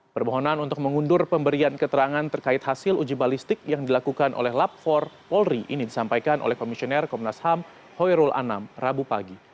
permohonan untuk mengundur pemberian keterangan terkait hasil uji balistik yang dilakukan oleh lab empat polri ini disampaikan oleh komisioner komnas ham hoyrul anam rabu pagi